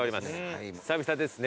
久々ですね